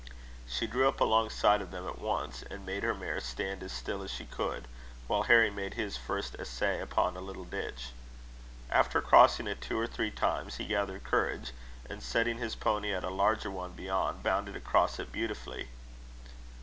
She drew up alongside of them at once, and made her mare stand as still as she could, while Harry made his first essay upon a little ditch. After crossing it two or three times, he gathered courage; and setting his pony at a larger one beyond, bounded across it beautifully.